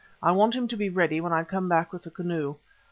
I want him to be ready when I come back with the canoe.